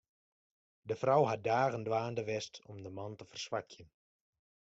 De frou hat dagen dwaande west om de man te ferswakjen.